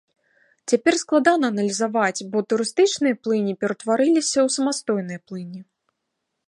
Цяпер складана аналізаваць, бо турыстычныя плыні пераўтварыліся ў самастойныя плыні.